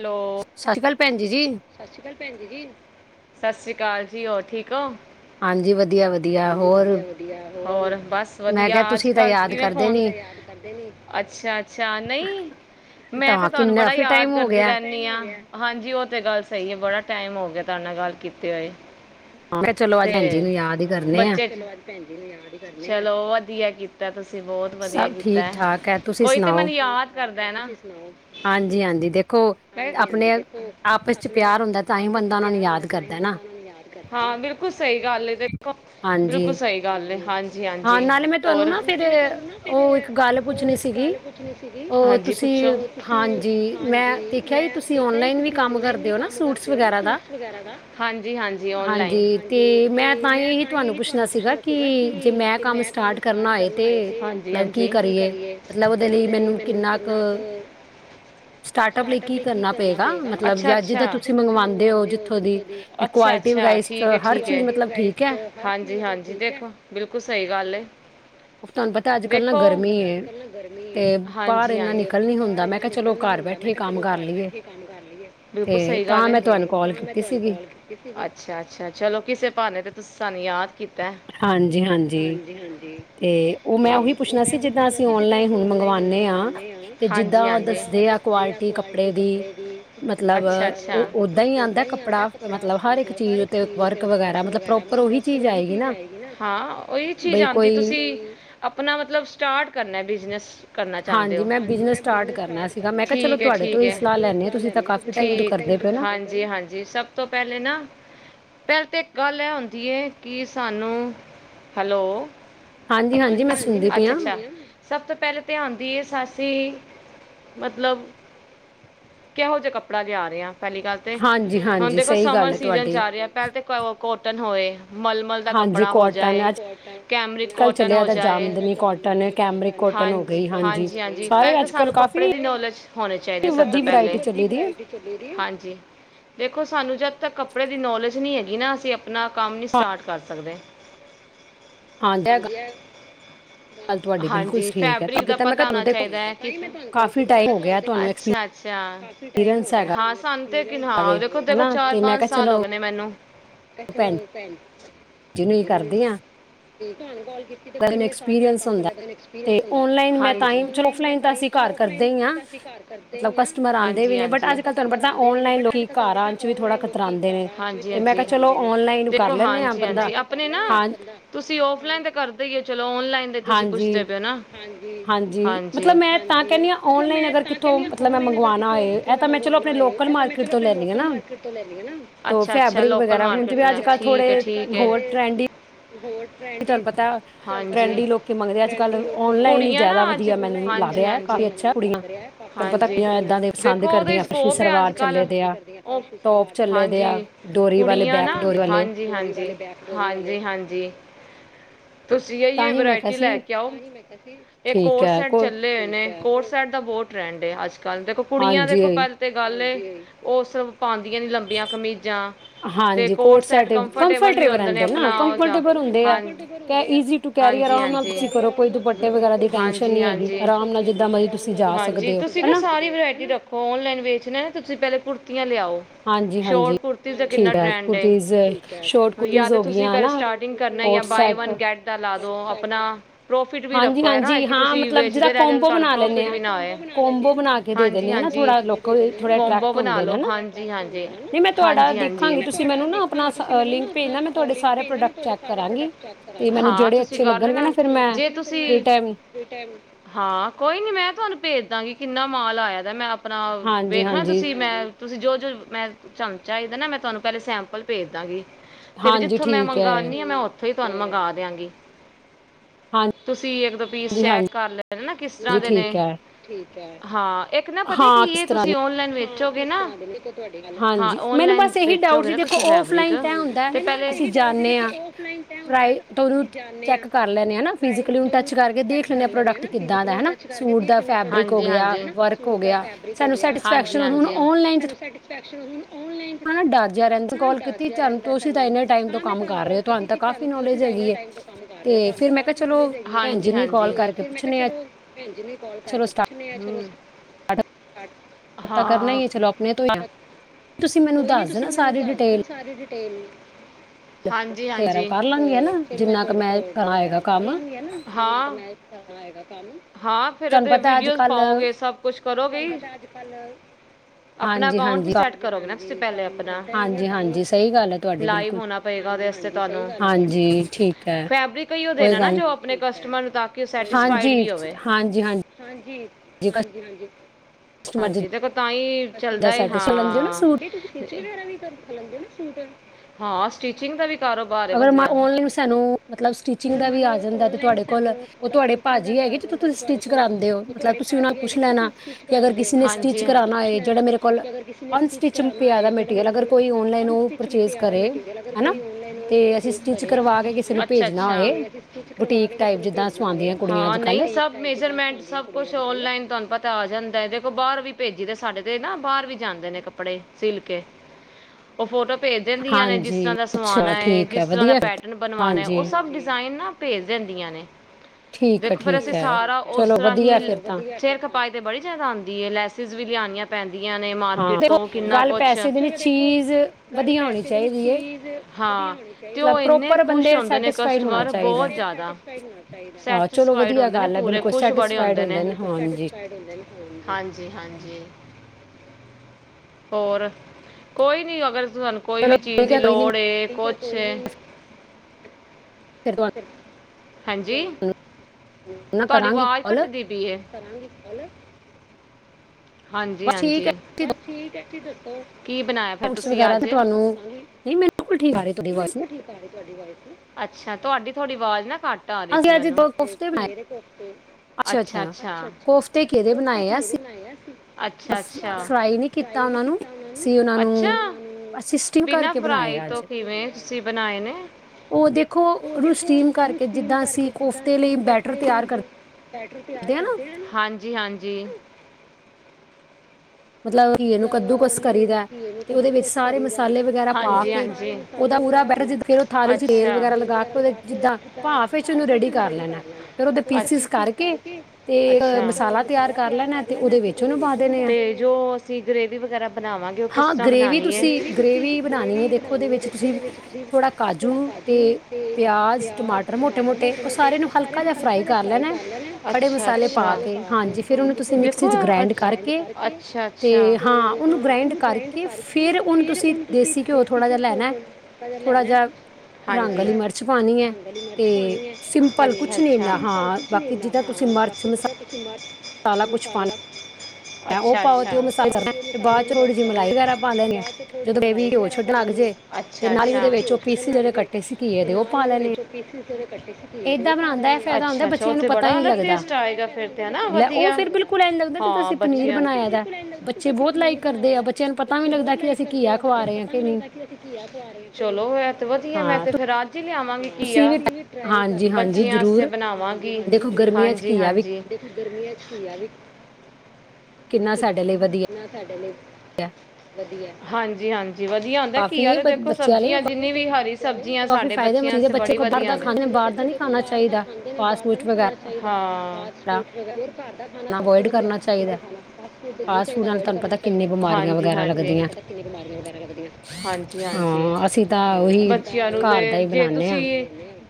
Hello ਸਤਿ ਸ਼੍ਰੀ ਅਕਾਲ ਭੈਣਜੀ ਜੀ। ਸਤਿ ਸ਼੍ਰੀ ਅਕਾਲ ਜੀ ਹੋਰ ਠੀਕ ਹੋ। ਹਾਂਜੀ ਵਧੀਆ ਵਧੀਆ ਹੋਰ ਹੋਰ ਬਸ ਵਧੀਆ ਅੱਜ ਕੱਲ ਕਿਵੇਂ ਫੋਨ ਅੱਛਾ ਅੱਛਾ ਨਹੀਂ ਮੈਂ ਤੇ ਤੁਹਾਨੂੰ ਬੜਾ ਯਾਦ ਕਰਦੀ ਰਹਿੰਦੀ ਹ ਹਾਂਜੀ ਉਹ ਤੇ ਗੱਲ ਸਹੀ ਹੈ ਬੜਾ ਟਾਈਮ ਹੋ ਗਿਆ ਧ ਨਾਲ ਗੱਲ ਕੀਤੇ ਹੋਏ ਤੇ ਬੱਚੇ ਚਲੋ ਵਧੀਆ ਕੀ ਤਾਂ ਅਸੀਂ ਬਹੁਤ ਵਧੀਆ ਕੀਤਾ ਕੋਈ ਤੇ ਮੈਨੂੰ ਯਾਦ ਕਰਦਾ ਨਾ ਆਪਣੇ ਆਪ ਪਿਆ ਹੁੰ ਬੰ ਯਾਦ ਕਰ ਹਾਂ ਬਿਲਕੁਲ ਸਹੀ ਗੱਲ ਤੇ ਬਿਲਕੁਲ ਸਹੀ ਗੱਲ ਹਾਂਜੀ ਹਾਂਜੀੂੰ ਉਹ ਇੱਕ ਗੱਲ ਪੁੱਛਣੀ ਸੀਗੀ ਉਹ ਤੁਸੀਂ ਹਾਂਜੀ ਮੈਂ ਮੈਂ ਦੇਖਮ ਕਰਦੇ ਹੋ ਵਰਾ ਹਜੀ ਹਜੀ ਹ ਮੈਂ ਤੁੂੰ ਪੁਛਣਾ ਸੀਗਾ ਮੈਂਮ ਸਟਾਰਟ ਕਰ ਆਯ ਮਤਲਬ ਕੀ ਕਰੀਏ ਮਤਲਬ ਉਹਦੇ ਲਈ ਮੈਨੂੰ ਕਿੰਨਾ ਕੁ ਟਾਰਟਪ ਕਰਨਾ ਪ ਗ ਅਛਾ ਅਛਾ ਤੁਸੀਵਾਦੇ ਹੋ ਜ ਅਛਾ ਅਛਾ ਠੀਕ ਆ ਠੀਕ ਆ ਹਾਂਜੀ ਹਾਂਜੀ ਦੇਖੋ ਬਿਲਕੁਲ ਸਹੀ ਗੱਲ ਆ ਦੇਖੋਤਾ ਅੱਜ ਕਲ ਨਾ ਗਰਮੀ ਹੈ ਹਾਂਜੀ ਹਾਂਜੀ ਬਾਹਾਰ ਇਨਾ ਨਿਕਲ ਨ ਹੁੰ ੈ ਬੁ ਸਹੀ ਗ ਅਾ ਅ ਚਲੋ ਕਿਸੇ ਭੇ ਹਾਂਜੀ ਹਾਂਜੀ ਤੇ ਉਹ ਮੈਂ ਉਹੀ ਪੁੱਛਣਾ ਸੀ ਜਿੱਦਾਂ ਅਸੀਂ ਓਨਲਾਈਨ ਹੁਣ ਮੰਗਵਾਦੇ ਹਾਂ ਤੇ ਜਿੱਦਾਂ ਦੱਸਦੇ ਆ ਕੁਆਲਿਟੀ ਕੱਪੜੇ ਦੀ ਮਤਲਬ ਉਹ ਓਦਾਂ ਹੀ ਆਉਂਦਾ ਕੱਪੜਾ ਮਤਲਬ ਹਰ ਇੱਕ ਚੀਜ਼ ਉਤੇ ਵਰਕ ਵਗੈਰਾ ਮਤਲਬ ਪ੍ਰੋਪਰ ਉਹੀ ਚੀਜ਼ ਆਏ ਹਾਂ ਉਹੀ ਚੀਜ਼ ਆਉਂਦੀ ਤੁਸੀਂ ਆਪਣਾ ਮਤਲਬ ਸਟਾਰਟ ਕਰਨਾ ਬ ਇਸਸ ਹਾਂਜੀ ਮੈਂ ਬਿਜਨਸ ਸਟਾਰਟ ਕਰਨਾ ਸੀਗਾ ਮੈਂ ਠੀਕ ਹੈ ਠੀਕ ਹੈ ਲ ਠੀਕ ਹਾਂਜੀ ਹਾਂਜੀ ਸਭ ਤੋਂ ਪਹਿਲੇ ਨਾ ਤੇ ਇੱਕ ਗੱਲ ਇਹ ਆੁੰਦੀ ਹੈ ਕਿ ਸਾਨੂੰ ਹੈਲੋ ਹਜੀ ਹਜੀ ਅੱਛਾ ਅੱਛਾ ਸਭ ਤੋਂ ਪਹਿਲੇ ਧ ਆਉਂਦੀ ਆ ਸਸੀ ਮਤਲਬ ਕਿਹੋ ਜਿਹਾ ਕੱਪੜਾ ਲਿਆ ਰਿਹਾ ਪਹਿਲੀ ਗੱਲ ਤੇ ਹੁਣ ਦੇਖੋ ਸਮਰ ਸੀਜਨ ਚ ਆ ਰਿਹਾ ਪਹਿਲਾਂ ਤਾਂ ਕੋਟਨ ਹੋਏ ਮਲਮਲ ਦਾ ਕੱਪੜਾ ਹੋ ਜਾਏ ਕੈਮਰਿਕ ਕੋਟਨ ਹੋ ਜਾਏ ਹਾਂਜੀ ਹਾਂਜੀ ਹਾਂਜੀ ਪਹਿਲ ਤਾਂ ਸਾਨੂੰ ਕ ਜ ਹੋਣੀ ਚਾਹੀਦੀ ਸਭ ਤੋਂ ਪਹਿ ਹਾਂਜੀ ਦੇਖੋ ਸਾਨੂੰ ਜਦ ਤੱਕ ਕੱਪੜੇ ਦੀ ਨੌਲੇਜ ਕੁਛ ਨਹੀਂ ਹੈਗੀ ਨਾ ਅਸੀਂ ਆਪਣਾ ਕੰਮ ਨ ਸਟਾਰਟ ਕਰ ਸਕਦੇ ਹਾਂਜੀ ਹੈ ਗੱਲ ਤੁਹਾਡੀ ਬਿਲਕੁਲ ਠੀਕ ਹੈ ਤੂੰ ਕਿਦ ਮੈਂੂੰ ਦੇਖੋ ੈਂ ਕਾਫ ਚ ਅੱਛਾ ਅੱਛਾ ਹਾਂ ਟਮ ਹੋ ਗਿਆ ਹਾਂ ਕਿ ਹਾਂ ਦੇਖੋ ਦੇਖੋ ਚਾਰ ਪੰਜ ਸਾਲ ਹੋ ਗਏ ਨੇ ਮੈਨੂੰ ਤੇ ਚਲੋ ਭੈ ਤੁ ਕੀਤੀ ਸ ਮ ਲ ਫ ਲ ਕਰ ਹਨਾਂਜੀ ਹਨਜੀ ਕਸਟ ਅ ਕਲ ਹਨਜੀੀ ਹਨ ਦੇਖੋ ਹਨਜੀ ਹਾਂਜੀ ਆਪਣੇ ਨਾ ਤੁਂ ਅਸੀਂਫਲਾਈਨ ਤੇ ਕਰਦੇ ਹੀਏ ਚਲੋ ਔਨਲਾਈਨ 'ਤੇ ਤੁਸੀਂ ਪੁੱਛਦੇ ਪ ਹੋ ਨਾ ਹਾਂਜੀ ਮਤਲਬ ਮੈਂ ਮਤਲਬ ਮੈਂ ਤ ਕਹ ਆ ਲਨ ਮੰਗਾਨਣਾ ਆ ਮ ਚਲਲ ਮਕੀਟ ਤ ਲੈ ਆਾਾਲ ਮਕੀਟ ਠੀਕ ਆ ਠੀਕ ਆ ਤੁਹਾਨੂੰ ਪਤਾ ਟਰੈਂਡ ਹੀ ਲੋਕ ਮੰਗਦੇ ਅੱਜ ਕੱਲ ਔਨਲਾਈਨ ਹੀ ਜ਼ਿਆਦਾ ਵਧੀਆ ਮੈਨੂੰ ਹਾਂਜੀ ਹਾਂਜੀ ਹਾਂਜੀ ਦੇਖੋ ਓਦਾ ਸਕੋਪ ਆ ਅੱਜ ਕਲ ਹਾਂਜੀ ਕੁੜੀਆਂ ਨਾ ਹਾਂਜੀ ਹਾਂਜੀ ਹਾਂਜੀ ਹਾਂਜੀ ਤੁਸੀਂ ਇਹੀ ਵਰਾਇਟੀ ਲੈ ਕੇ ਆਓ ਇਹ ਕੋ ਚੱਲੇ ਹੋਏ ਨੇ ਕੋਟ ਸਾਈਡ ਦਾ ਬੋਟ ਟਰੈਂਡ ਹੈ ਅੱਜ ਗੱਲ ਦੇਖੋ ਕੁੜੀਆਂ ਦੇਖੋ ਪਹਿਲ ਤੇ ਗੱਲ ਉਹ ਸਿਰਫ ਪਾਉਂਦੀਆਂ ਨੀ ਲੰਬੀਆਂ ਕਮੀਜ਼ ਹਾਂਜੀ ਕੋਟ ਸੈਟ ਕੰਫਰਟੇਬਲ ਰਹਿੰਦੇ ਨਾ ਕੰਫਰਟੇਬਲ ਹੁੰਦੇ ਆ ਕ ਈ ਟੂ ਕੈਰੀ ਅਰਾ ਨਾਲ ਤੁਸੀਂ ਕਰੋ ਕੋਈ ਦੁਪੱਟੇ ਵਗੈਰਾ ਦੀ ਟੈਸ਼ਨ ਨਹੀਂ ਹੈਗੀ ਹਾਂਜੀ ਤੁਸੀਂ ਨਾ ਸਾਰੀ ਵਰਾਇਟੀ ਰੱਖੋ ਨਲਾਈਨ ਵ ਤੁਸੀਂ ਪਹਿਲੇ ਕੁੜਤੀ ਲਿਆਓ ਸ਼ਟ ਕੁਤੀ ਦਾ ਟਡ ਯ ਤੇ ਤੁਸੀਂ ਪ ਸਟਾਰਟਗ ਕਰਨਾ ਬਾ ਵ ਗੈਟ ਦਾ ਲਾ ਦੋ ਆਪਣਾ ਹਾਂਜੀ ਹਾਂਜੀ ਹਾਂ ਮਤਲਬ ਜਿਹੜਾ ਪ੍ਰੋਫਿਟ ਵੀ ਨਾ ਹੋ ਹਾਂਜੀ ਹਾਂਜੀ ਬਬੋ ਬਣਾ ਲੋ ਹਾਂਜੀ ਹਾਂਜੀ ਹਾਂਜੀ ਹਾਂਜੀ ਹਾਂ ਤੁਸੀਂ ਕਰ ਲਣਾ ਤੁਸੀ ਟਾਈਮ ਹਾਂ ਕੋਈ ਨੀ ਮੈਂ ਤੁਹਾਨੂੰ ਭੇਜ ਦਾਂਗੀ ਕਿੰਨਾ ਮਾਲ ਆਇਆ ਦਾ ਮੈਂ ਆਪਣਾ ਵੇਖਣਾ ਤੁਸੀਂ ਮੈਂ ਤੁਸੀਂ ਜੋ ਜੋ ਮੈਂ ਚਮਚਾ ਇਹਦਾ ਨਾ ਮੈਂ ਤੁਹਾਨੂੰ ਪਹਿਲੇ ਸੈਂਪਲ ਭੇਜ ਦਾਂਗੀ ਤੇ ਵੀ ਜਿੱਥੋਂ ਮੈਂ ਮੰਗਵਾਉਂਦੀ ਆਾਂ ਮੈਂ ਉਥ ਉੱਥੋਂ ਹੀ ਤੁਹਾਨੂੰ ਮੰਗਵਾ ਦਿਆਂਗੀ ਤੁਸੀਂ ਇੱਕ ਦੋ ਪੀਸ ਚੈ ਕਰ ਨਾ ਕਿਸ ਤਰ੍ਹਾਂ ਦੇ ਨੇ ਹਾਂ ਇੱਕ ਨਾ ਪਤਾ ਕੀ ਇਹ ਤੁਸੀਂ ਓਔਨਲਾਈਨ ਵੇ ੋਗੇ ਨਾ ਹਾਂਜੀ ਮੈਨੂੰ ਬਸ ਇਹੀ ਡਾਊਟ ਸੀ ਦੇਖੋ ਫਲਾਈਨ ਤੈ ਹੁੰਦਾ ਅਸੀਂ ਜਾਂਦੇ ਹਾਂ ਪ੍ਰ ਤੁ ਉਹਨੂੰ ਚੈੱਕ ਕਰ ਲੈਂਦੇ ਹਾਂ ਨਾ ਫਿਜ਼ਕਲੀਨੂੰ ਟੱਚ ਕਰਕੇ ਦੇਖ ਲੈਂਦੇ ਹਾਂ ਪ੍ਰੋਡਕਟ ਕਿੱਦਾਂ ਜੀ ਹ ਸੂ ਫਬ ਹੋ ਹਜੀ ਹਜੀ ਪੈਕਸ਼ਨ ਹੁਣ ਡਰਜਾਰ ਕਾਲ ਕੀਤੀ ਚ ਤੁਸੀਂ ਤਾਂ ਇਨੇ ਟਾਈਮ ਤੋਂ ਕੰਮ ਕਰ ਰਹੇ ਹੋ ਤੁਹਾਨੂੰ ਤਾਂ ਕਾਫੀ ਨੌਲੇਜ ਹੈਗੀ ਹੈ ਤੇ ਫਿਰ ਮੈਂ ਕਿਹਾ ਚਲੋ ਭੈਣ ਜੀ ਨੂੰ ਹੀ ਕਾਲ ਕਰਕੇ ਪੁੱਛਣੇ ਆ ਭੈਣ ਜ ਨੇ ਕਾਲ ਕਰਕੇ ਪੁੱਛਣੇ ਆ ਹਨ ਹਾਂ ਕੋਈ ਨੀ ਤੁਸੀਂ ਮੈਨੂੰ ਦੱਸ ਦਿ ਨਾ ਸਾਰੇ ਤੇੇਨ ਹਾਂਜੀ ਹਾਂਜੀ ਤੇ ਫਿਰ ਮੈਂ ਤੁਹਾਡੇ ਤੋਂ ਡਰ ਵਗੈਰਾ ਕਰ ਲਾਂਗੀ ਨਾ ਕਾਨੂੰ ਹਾਂ ਫੇਿਰਦੇ ਵੀਡੀਓਜ਼ ਪਾਓਗੇ ਸਭ ਕੁਛ ਕਰੋਗੇ ਪਲੰਗ ਆਪਣਾ ਅਟ ਵੀ ਸੈਟ ਕਰੋਗੇ ਨਾ ਤੁ ਪਣਾ ਲ ਹੋਣਾ ਪਗਾ ਤੁਾਨ ਫਬਰਿਕਣਾ ਨਾ ਜੋ ਤਾਂ ਕਿ ਹਾਂਜੀ ਤੇ ਕੋ ਤਾਂਹੀ ਚਲਦਾ ਹਾਂ [inaudible] ਲ ਸੂ ਹਾਂ ਸਟਿਚਿੰਗ ਦਾ ਵੀ [inaudible] ਅਗਰ ਓਨਲਾਈਨ ਸਾਨੂੰ ਮਤਲਬ ਸਟਿਚਿੰਗ ਦਾ ਵੀ ਆ ਜਾਂਦਾ, ਤੇ ਤੁਹਾਡੇ ਕੋਲ ਉਹ ਤੁਹਾਡੇ ਆ ਜਾਂਦਾਹਾਡੇ ਕੋਲ, ਭਾਜੀ ਸਟਿਚ ਕਰਾਦੇ ਪੁਛ ਲੈ ਸਟਿਚ ਕਰੇ ਕੋਲਲ ਕੋਈ ਤੇ ਅਸੀਂ ਸਟਿਚ ਕਰਵਾ ਕੇ, ਕਿਸੇ ਨੂੰ ਭੇਜਣਾ ਹੋਏ ਬੁਟੀਕ ਟਾਈਪ, ਜਿੱਦਾਂ ਸਵਾਉਂਦੀਆਂ ਹਾਂ, ਨਹੀਂ ਸਭ ਮੇਜਰਮੈਂਟ ਸਭ ਕੁਛ ਔਨਲਾਈਨ, ਤੁਹਾਨੂੰ ਪਤਾ ਆ ਜਾਂਦਾ ਦੇਖੋ ਬਾਹਰ ਵੀ ਭੇਜੀ ਦੇ, ਸਾਡੇ ਤੇ ਨਾ ਬਾਹਰ ਵੀ ਜਾਂਦੇ ਨੇ, ਕੱਪੜੇ ਸਿਲ ਕੇ ਉਹ ਫੋਟੋ ਭੇਜ ਦਿੰਦੀਆਂ ਨੇ, ਜਿਸ ਤਰ੍ਹਾਂ ਦਾ ਸਵਾਉਣਾ ਹੈ, ਜਿਸ ਤਰ੍ਹਾਂ ਦਾ ਪੈਟਰਨ ਬਣਵਾਉਣਾ ਐ, ਉਹ ਸਭ ਡਿਜ਼ਾਇਨ ਨਾ ਭੇਜ ਦਿੰਦੀਆਂ ਨੇ। ਦੇਖੋ ਫੇਿਰ ਅਸੀਂ ਸਾਰਾ ਉਸ ਤਰ੍ਹਾਂ ਹੀ, ਸੇਰਖਪਾਈ ਤੇ ਬੜੀ ਜਿਆਦਾ ਆਉਂਦੀ ਹੈ ਲੈਸ ਵੀ ਲਿਆਨਿਆਂ ਪੈਂਦੀਆਂ ਨੇ ਮਾਰਕਿਟ ਤੋਂ ਕਿੰਨਾ ਕੁਛ, ਪ ਹਾਂ ਤੇ ਏਨੇ ਖੁਸ਼ ਹੁੰਦੇ ਨੇ, ਕਸਟਮਰ ਬੋਤ ਜਿਆਦਾ ੜ ਹ [unintelligible] ਹੋਰ, ਕੋਈ ਨੀ ਅਗਰ ਸਾਨੂੰ ਕੋਈ ਵੀ ਚੀਜ਼ ਦੀ ਲੋੜ ਏ ਕੁਛ ਛੇ ਫਾਨ [inaudible] ਹਾਂਜੀ? ਤੁਆਡੀ ਆਵਾਜ਼ ਘੱਟਦੀ ਪਈ ਏ। ਹੈਲੋ। ਹਾਂਜੀ, ਹਾਂਜੀ ਕੀ ਬਨਾਇਆ ਫੇਰ ਤੁਸੀ ਅਜ? ਤੁਹਾਡੀ ਆਵਾਜ਼ ਨਾ ਘੱਟ ਆ ਰਹੀ ਸੀ ਮੈਨੂੰ ਅਛਾ, ਅਛਾ, ਅਛਾ ਬਿਨਾਂ ਫਰਾਈ ਤੋਂ ਕਿਵੇ ਤੁਸੀ ਬਣਾ ਨੇੋ? ਕਿ ਜਿੱਦਾਂ ਅਸੀਂ ਕੋਫਤੇ ਤਿਆਰ ਕਰਦੇ ਹਾਂਜੀ ਹਾਂਜੀ [inaudible] ਕੂ ਕਰੀ ਮਸੇ ਵ ਤੇਲ ਵ ਲਗਾ ਰ ਕਰ ਲ ਮਸਾਲਾ ਤਿਆਰ ਕਰ ਲੈਣਾ [inaudible] ਗਰੇਵੀ ਬਣਾਗੇ ਕਿਸ ਤ ਬ ਕਾਜੂਾਟਰ ਮੋਕਾ ਲ [unintelligible] ਤੇ ਹਾਂ ਓਹਨੂੰ ਗ੍ਰਡ ਕਰਕੇ ਫੇਰ ਤੁਸੀ ਦੇਸੀ ਘਿਓ ਲੈਨਾ ਰਗੀ ਮਿਰਚ ਪਾਣੀ ਆਿਲ ਬਾਕ ਮ ਮਸਛਾ ਮੇ ਨੂੰ ਬਾਦ ਚ ਥੋੜੀ ਜਿਹੀ ਮਲਾਈ ਵਗੈਰਾ ਪਾ ਲੈਣੀ ਏ ਫ ਬਿਲੁਲ ਲੱਗਦਾ ਅਸੀਂ ਪਰ ਬਣਾਇ ਦਾ ਬੱਚੇ ਬਹੁਤ ਲਾਈਕ ਕਰਦੇ ਆ ਬੱਚਿਆਂ ਨੂੰ ਪਤਾ ਨੀ ਲੱਦਾ ਅਸੀਂ ਕਿਆ ਰਹੇ ਚਲੋ ਤੇ ਵਧੀਆ ਮੈਂ ਤੇ ਫਿਰ ਅੱਜ ਲਿਆਵਾਂਗੇਆ ਬੱਚਿਆਂ ਵਸਤੇ ਬਣਾਵਾਂਗੀ ਹਾਂਜੀ ਹਾਂਜੀ ਗਰਮ ਕਿੰਨਾ ਸਾਡੇ ਲਈ ਵਧੀਆ ਵਧੀਆ ਹਾਂਜੀ ੀ ਹਾਂਜੀ ਜੀ ਵਧੀਆ ਹੁੰਂਦਾ ਘਆ ਤੇ ਦੇਖੋ ਸਬਜ਼ੀਆਂ ਜਿੰਨੀ ਵੀ ਹਰੀ ਸਬਜ਼ੀਆਂ ਸਾਡੇ ਬੱਚਿਆਂ ਬੜੀ ਵਧੀਆ ਬਾਂਦੇ ਖਾ ੂ ਵਰ ਘਰ ਦਾ ਖਾਣਾ ਸਭ ਤੋਂ ਵਧੀਆ ਖਾਣਾ ਹਜੀ ਹਜੀ ਬੱਚਿਆਂ ਨੂੰ ਤੇ ਜੇ ਤੁਸੀਂ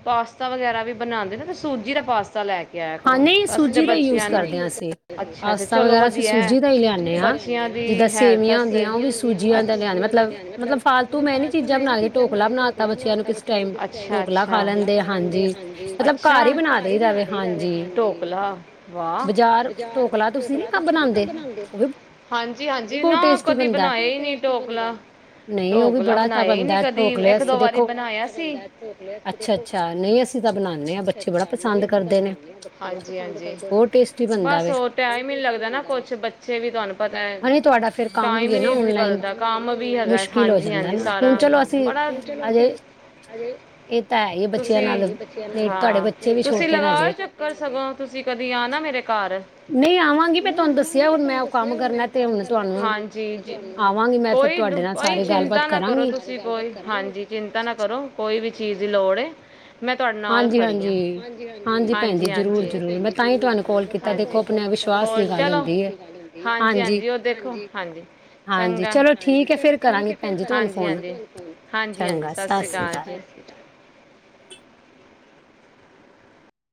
ਪਾਸਤਾ ਵਗੈਰਾ ਵੀ ਬਣਾਦੇ ਨਾ ਸੂਜੀ ਦਾ ਪਾਸਤਾ ਲੈ ਕੇ ਕਿਆ ਕਰੋ ਅਸੀਂ ਤੇ ਬਚ ਜਾ ਨੂੰ ਅਛਾ ਅਛਾ ਚਲੋ ਬੱਚਿਆਂ ਦੀ ਹੈਲਥ ਵਾਸਤੇ ਮੈਂ ਨਹੀਂ ਫਾਲਤੂ ਚੀਜ਼ਾਂ ਬਣਾਦੀ ਘਰ ਹੀ ਢੋਕਲਾ ਵਗੈਰਾ ਬਣਾ ਦਿਨੀ ਅੱਛਾ ਟੋਕਲਾ ਵਾਹ ਬਾਜ਼ਾਰ ਟੋਕਲਾ ਬਣਾਉਦੇ ਹਾਂਜੀ ਹਾਂਜੀ ਨਾ ਕਦੀ ਬਣਾਏ ਹੀ ਨੀ ਢੋਕਲਾ ਢੋਕਲਾ ਬਣਾਇ ਹੀ ਨੀ ਕਦੀ ਇਕ ਦੋ ਵਾਰੀ ਬਣਾਇਆ ਸੀ ਅਛਾ ਹਾਂਜੀ ਹਾਂਜੀ ਬਸ ਉਹ ਟਮ ਹੀ ਨ ਲੱਗਦਾ ਨਾ ਬੱਚੇ ਵੀ ਤੁਹਾਨੂੰ ਪਤਾ ਟਾਈਮ ਹੀ ਨੀ ਪਲਦਾ ਕੰਮ ਵੀ ਹੈਗਾ ਹਾਂਜੀ ਹਾਂਜੀ ਸਾਰਾ ਬੜਾ ਤੁਸੀਂ ਹਾਂ ਤੁਸੀਂ ਲਗਾ ਚੱਕਰ ਸਗੋਂ ਤੁਸੀਂ ਕਦੀ ਆ ਨਾ ਮੇਰੇ ਘਰ ਨਹੀਂ ਆਵਾਂਗੀ ਹਾਂਜੀ ਕੋਈ ਭਾਈ ਚਿੰਤਾ ਨਾ ਕਰੋ ਤੁਸੀਂ ਕੋਈ ਹਾਂਜੀ ਚਿੰਤਾ ਨਾ ਕਰੋ ਕੋਈ ਵੀ ਚੀਜ਼ ਦੀ ਲੋੜ ਹੈ ਮੈਂ ਤੁਹਾਡੇ ਨਾਲ ਖੜ ਹਾਂ ਹਾਂਜੀ ਹਜੀ ਹ ਚਲੋ ਹਾਂਜੀ ਹਾਂਜੀ ਉਹ ਦੇਖੋ ਹਾਂਜੀ ਚੰਗਾ ਹਾਂਜੀ ਹਾਂਜੀ ਹਾਂਜੀ ਹਜੀ ਸਤਿ ਸ੍ਰੀ ਅਕਾਲ ਜੀ